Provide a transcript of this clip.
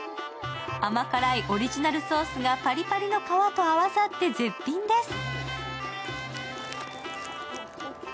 甘辛いオリジナルソースがパリパリの皮と合わさって絶品です。